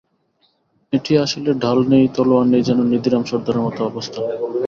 এটি আসলে ঢাল নেই, তলোয়ার নেই, যেন নিধিরাম সর্দারের মতো অবস্থা।